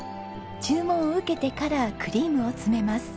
注文を受けてからクリームを詰めます。